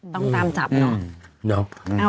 ต้องตามจับเนาะ